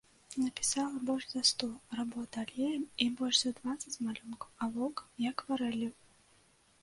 Напісала больш за сто работ алеем і больш за дваццаць малюнкаў алоўкам і акварэллю.